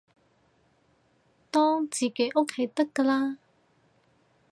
當自己屋企得㗎喇